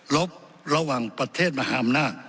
ลบระหว่างประเทศมาหามนา